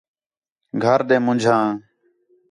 گھر ݙے منجھاں